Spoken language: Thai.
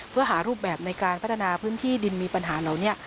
เพื่อหารูปแบบในการพัฒนาพื้นที่ดินมีปัญหาเหล่านี้